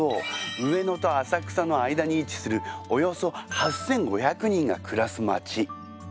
上野と浅草の間に位置するおよそ８，５００人が暮らす町。